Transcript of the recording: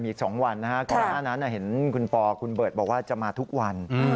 อีกสองวันนะคะกรณะนั้นเห็นคุณปอร์คุณเบิร์ตบอกว่าจะมาทุกวัน